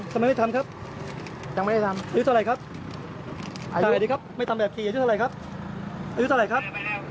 สำเนาคู่มือรถ